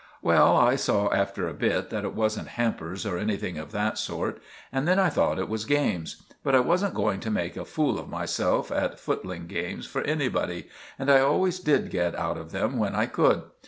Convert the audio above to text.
Well, I saw after a bit that it wasn't hampers, or anything of that sort; and then I thought it was games. But I wasn't going to make a fool of myself at footling games for anybody, and I always did get out of them when I could.